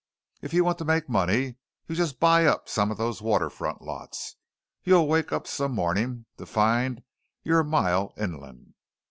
If you want to make money, you just buy some of those waterfront lots. You'll wake up some morning to find you're a mile inland."